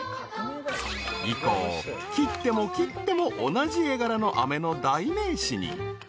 ［以降切っても切っても同じ絵柄のあめの代名詞に］